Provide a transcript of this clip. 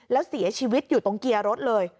แล้วเสียชีวิตอยู่ตรงเกียร์รถเลย